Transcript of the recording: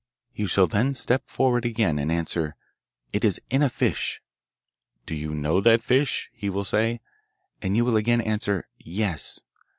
You shall then step forward again and answer, "It is in a fish." "Do you know that fish?" he will say, and you will again answer "Yes."